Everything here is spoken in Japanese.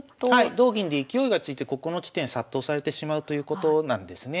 同銀で勢いがついてここの地点殺到されてしまうということなんですね。